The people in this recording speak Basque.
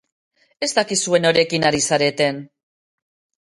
Ez dakizue norekin ari zareten!